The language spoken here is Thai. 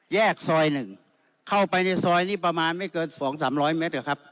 แยกซอยหนึ่งเข้าไปในซอยนี้ประมาณไม่เกินสองสามร้อยเมตรเหรอครับ